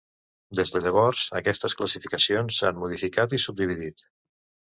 Des de llavors, aquestes classificacions s"han modificat i subdividit.